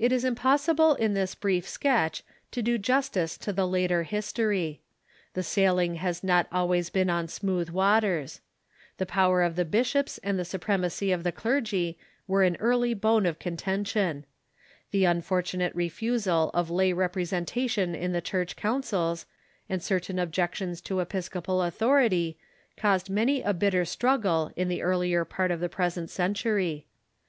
It is impossible in this brief sketch to do justice to the later history. TIic sailing has not always been on smooth waters. The power of the bishops and the supremacy of the L3tGr nisiory _ i i /*■ mi clergy were an early bone or contention, ilie un fortunate refusal of lay representation in the Church councils and certain objections to episcopal authority caused many a bitter struggle in the earlier part of the present century.